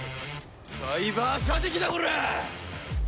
サイバー射的だコラァ！